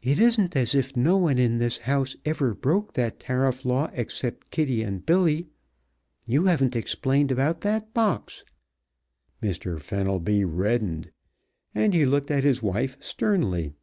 It isn't as if no one in this house ever broke that tariff law except Kitty and Billy; you haven't explained about that box " Mr. Fenelby reddened and he looked at his wife sternly.